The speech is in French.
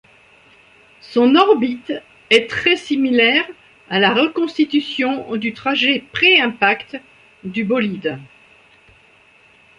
Son orbite est très similaire à la reconstitution du trajet pré-impact du bolide.